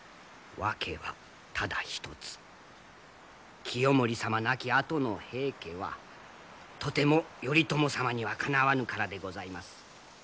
訳はただ一つ清盛様亡きあとの平家はとても頼朝様にはかなわぬからでございます。